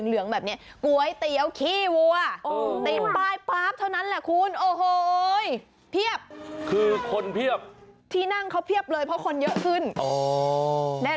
รวมกับเครื่องปรุงอื่น